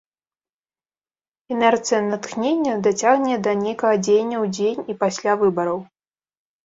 Інерцыя натхнення дацягне да нейкага дзеяння ў дзень і пасля выбараў.